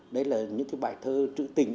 đấy là những bài thơ trữ tình